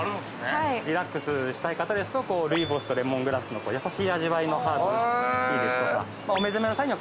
リラックスしたい方ですと、ルイボスとレモングラスのやさしい味わいのハーブティーですとか。